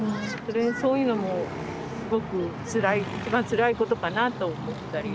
そういうのもすごく一番つらいことかなと思ったり。